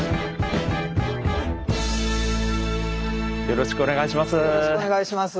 よろしくお願いします。